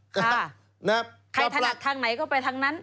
ใครถนัดทางไหนก็ไปทางนั้น